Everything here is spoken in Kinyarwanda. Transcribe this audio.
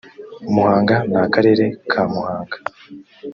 muhanga n akarere ka muhanga